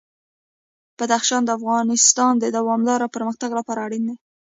بدخشان د افغانستان د دوامداره پرمختګ لپاره اړین دي.